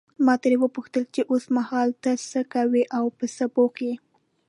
ما ترې وپوښتل چې اوسمهال ته څه کوې او په څه بوخت یې.